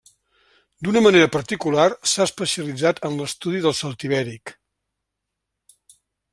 D'una manera particular s'ha especialitzat en l'estudi del celtibèric.